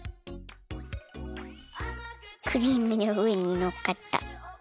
クリームのうえにのっかった。